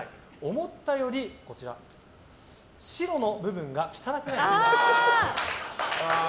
思ったより白の部分が汚くないですか？と。